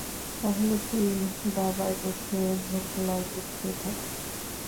তাহলে তুই ধাবায় বসে ধোকলা গিলতে থাক।